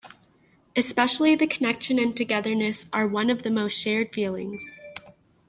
Especially the connection and togetherness are one of the most shared feelings.